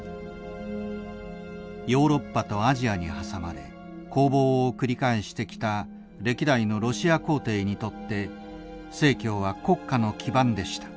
ヨーロッパとアジアに挟まれ興亡を繰り返してきた歴代のロシア皇帝にとって正教は国家の基盤でした。